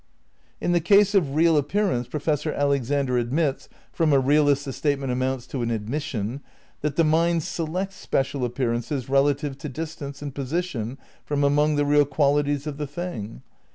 In the ease of "real" appearance Professor Alex ander admits — from a realist the statement amounts to an admission — that the mind "selects" special ap pearances relative to distance and position from among the real qualities of the thing.